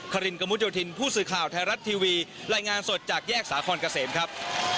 คุณผู้สือข่าวไทยรัฐทีวีไล่งานสดจากแยกสาของกะเสมครับ